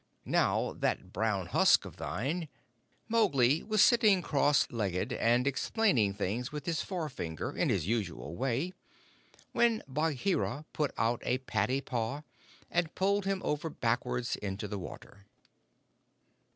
Now that brown husk of thine " Mowgli was sitting cross legged, and explaining things with his forefinger in his usual way, when Bagheera put out a paddy paw and pulled him over backward into the water.